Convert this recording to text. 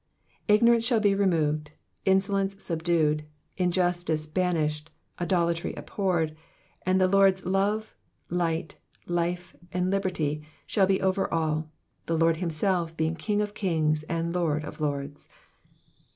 Ignorance shall be removed, insolence subdued, injustice banished, idolatry abhorred, and the Lord's love, light, life, and liberty, shall be over all, the Lord himself being King of kings and Lord of lords.